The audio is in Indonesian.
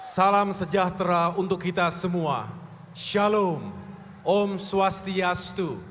salam sejahtera untuk kita semua shalom om swastiastu